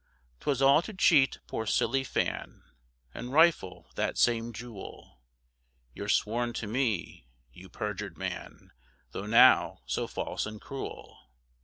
'Twas all to cheat poor silly Fan, And rifle that same jewel; You're sworn to me, you perjur'd man, Tho' now so false and cruel.